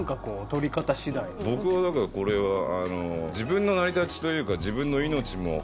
僕はだからこれは自分の成り立ちというか。